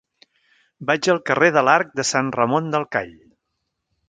Vaig al carrer de l'Arc de Sant Ramon del Call.